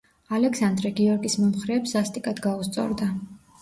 ალექსანდრე გიორგის მომხრეებს სასტიკად გაუსწორდა.